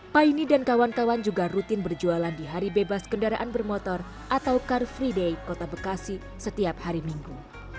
paine dan kawan kawan juga rutin berjualan di hari bebas kendaraan bermotor atau car free day kota bekasi setiap hari minggu